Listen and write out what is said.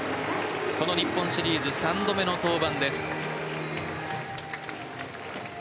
この日本シリーズ３度目の登板です。